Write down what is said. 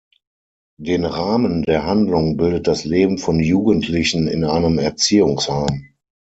Den Rahmen der Handlung bildet das Leben von Jugendlichen in einem Erziehungsheim.